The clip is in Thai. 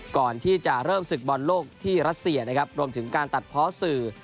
ก่อนที่จะเริ่มศึกบอลโลกที่รัสเซียนะครับรวมถึงการตัดเพาะสื่อ